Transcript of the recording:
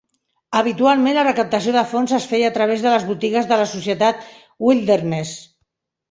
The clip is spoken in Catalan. Habitualment la recaptació de fons es feia a través de les botigues de la societat Wilderness.